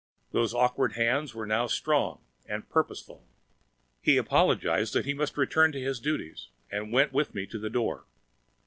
Those awkward hands are now strong and purposeful. He apologized that He must return to His duties, and went with me to the door.